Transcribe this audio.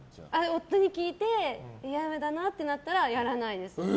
夫に聞いて嫌だなってなったらやらないです。